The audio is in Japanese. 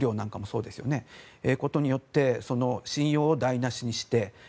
そのことによって信用を台無しにして。